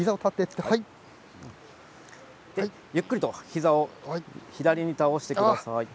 ゆっくりと膝を左に倒してください。